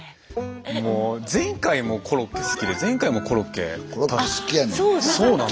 もう前回もコロッケ好きでコロッケ好きやねん。